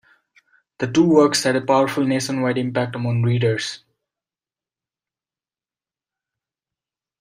The two works had a powerful nationwide impact among readers.